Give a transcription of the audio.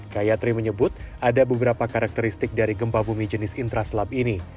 gayatri menyebut ada beberapa karakteristik dari gempa bumi jenis intraslab ini